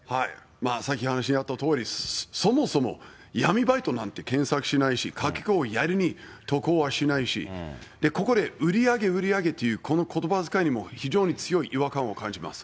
さっき話にあったとおり、そもそも闇バイトなんて検索しないし、かけ子をやりに渡航はしないし、ここで売り上げ、売り上げというこのことば遣いにも非常に強い違和感を感じます。